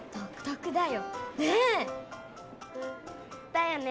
だよね！